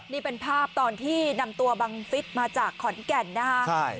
นี่เป็นภาพตอนที่นำตัวบังฟิศมาจากขอนแก่นนะคะ